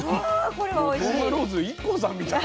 もう當間ローズＩＫＫＯさんみたい。